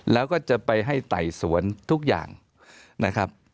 แล้วก็จะไปให้ไต่สวนทุกอย่างนะครับ